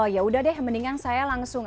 yaudah deh mendingan saya langsung